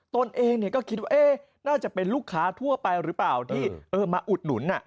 ตนเองก็คิดว่าน่าจะเป็นลูกค้าทั่วไปหรือเปล่าที่มาอุดหนุน